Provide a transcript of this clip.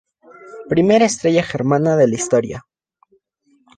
Primera estrella germana de la historia.